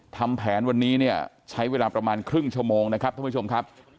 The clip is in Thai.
ทำแผนวันนี้เนี่ยใช้เวลาประมาณครึ่งชั่วโมงนะครับท่านผู้ชมครับ